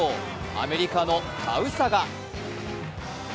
アメリカのタウサガ。